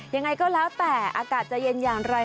ยังไงก็แล้วแต่อากาศจะเย็นอย่างไร